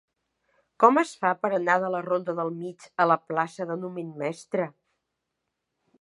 Com es fa per anar de la ronda del Mig a la plaça de Numen Mestre?